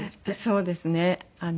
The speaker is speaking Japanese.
そうですね。